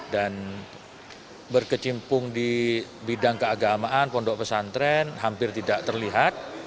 dan berkecimpung di bidang keagamaan pondok pesantren hampir tidak terlihat